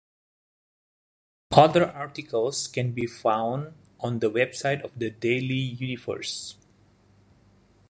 Other articles can be found on the website of "The Daily Universe".